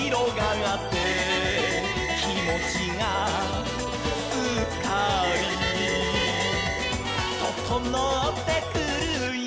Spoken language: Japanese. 「きもちがすっかり」「ととのってくるよ」